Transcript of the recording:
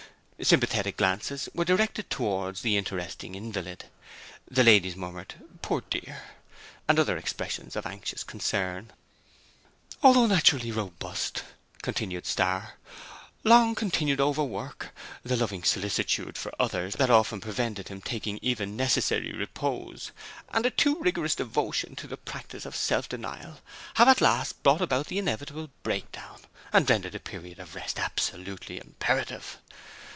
Sympathetic glances were directed towards the interesting invalid; the ladies murmured, 'Poor dear!' and other expressions of anxious concern. 'Although naturally robust,' continued Starr, 'long, continued Overwork, the loving solicitude for Others that often prevented him taking even necessary repose, and a too rigorous devotion to the practice of Self denial have at last brought about the inevitable Breakdown, and rendered a period of Rest absolutely imperative.'